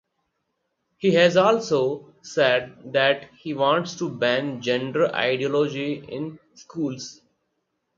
He has also said that he wants to ban "gender ideology in schools".